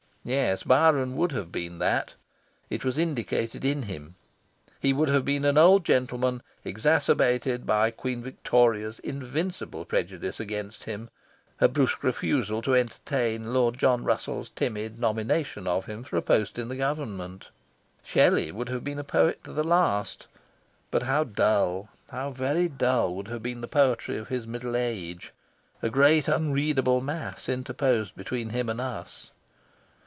Yes, Byron would have been that. It was indicated in him. He would have been an old gentleman exacerbated by Queen Victoria's invincible prejudice against him, her brusque refusal to "entertain" Lord John Russell's timid nomination of him for a post in the Government... Shelley would have been a poet to the last. But how dull, how very dull, would have been the poetry of his middle age! a great unreadable mass interposed between him and us...